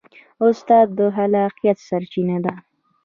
استاد د خلاقیت سرچینه ده.